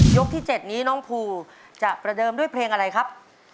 ที่๗นี้น้องภูจะประเดิมด้วยเพลงอะไรครับ